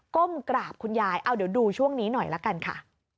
ก้มกราบคุณยายเอาเดี๋ยวดูช่วงนี้หน่อยละกันค่ะ